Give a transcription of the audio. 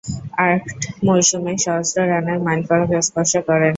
আট মৌসুমে সহস্র রানের মাইলফলক স্পর্শ করেন।